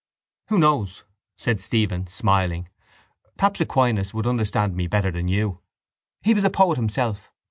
—Who knows? said Stephen, smiling. Perhaps Aquinas would understand me better than you. He was a poet himself.